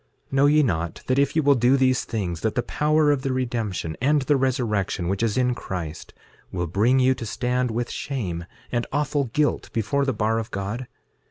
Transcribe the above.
6:9 Know ye not that if ye will do these things, that the power of the redemption and the resurrection, which is in Christ, will bring you to stand with shame and awful guilt before the bar of God?